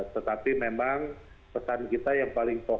tetapi memang pesan kita yang paling penting